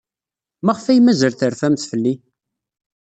Maɣef ay mazal terfamt fell-i?